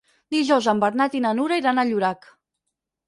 Dijous en Bernat i na Nura iran a Llorac.